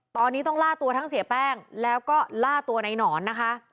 ตอนนี้ต้องล่าตัวทั้งเสียแป้งแล้วก็ล่าตัวในหนอนนะคะ